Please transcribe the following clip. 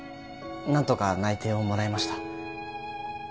何とか内定をもらえました